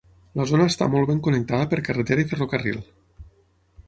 La zona està molt ben connectada per carretera i ferrocarril.